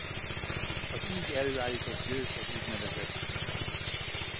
Az így előállított gőz az ú.n.